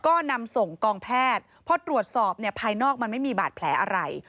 ก็นำส่งกองแพทย์พอตรวจสอบเนี่ยภายนอกมันไม่มีบาดแผลอะไร